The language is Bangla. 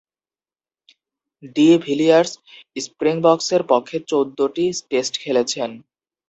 ডি ভিলিয়ার্স স্প্রিংবকসের পক্ষে চৌদ্দটি টেস্ট খেলেছেন।